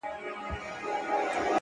سکون د متوازن ژوند نښه ده